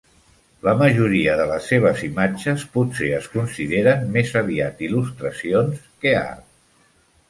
La majoria de les seves imatges potser es consideren més aviat il·lustracions que art.